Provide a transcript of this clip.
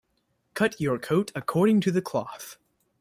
Cut your coat according to the cloth.